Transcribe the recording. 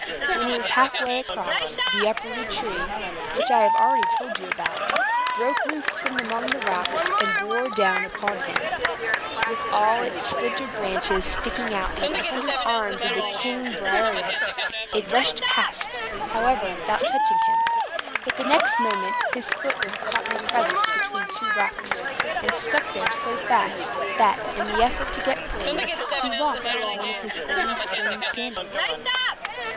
When he was half way across, the uprooted tree (which I have already told you about) broke loose from among the rocks, and bore down upon him, with all its splintered branches sticking out like the hundred arms of the giant Briareus. It rushed past, however, without touching him. But the next moment his foot was caught in a crevice between two rocks, and stuck there so fast, that, in the effort to get free, he lost one of his golden stringed sandals.